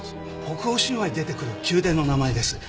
北欧神話に出てくる宮殿の名前です。